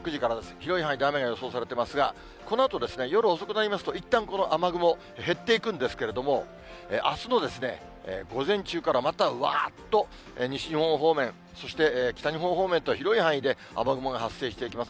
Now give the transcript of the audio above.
広い範囲で雨が予想されていますが、このあとですね、夜遅くなりますと、いったんこの雨雲、減っていくんですけれども、あすの午前中からまた、うわっと西日本方面、そして北日本方面と、広い範囲で雨雲が発生していきます。